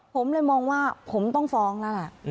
ผมเลยมองว่าผมต้องฟ้องแล้วล่ะ